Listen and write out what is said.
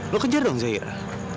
lo kejar dong zahira